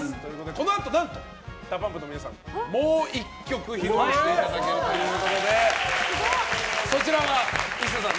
このあと、何とＤＡＰＵＭＰの皆さんにもう１曲披露していただけるということでそちらはＩＳＳＡさん